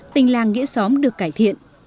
tình làng nghĩa xóm được cải thiện